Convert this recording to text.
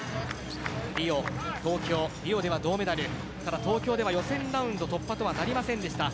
リオ、東京リオでは銅メダル東京では予選ラウンド突破とはなりませんでした。